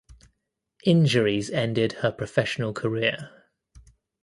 Injuries ended her professional career.